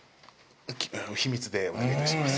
秘密でお願いいたします。